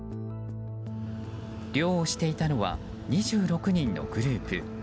漁をしていたのは２６人のグループ。